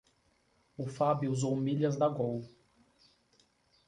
O Fábio usou milhas da Gol.